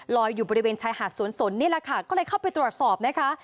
อยู่บริเวณชายหาดสวนสนนี่แหละค่ะก็เลยเข้าไปตรวจสอบนะคะ